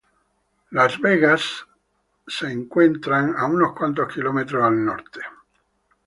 Las Vegas se encuentra a unos al norte.